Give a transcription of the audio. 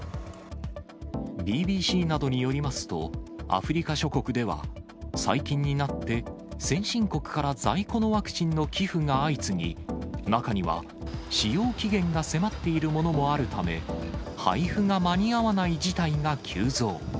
ＢＢＣなどによりますと、アフリカ諸国では、最近になって先進国から在庫のワクチンの寄付が相次ぎ、中には使用期限が迫っているものもあるため、配布が間に合わない事態が急増。